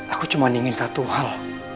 aku cuma ingin satu hal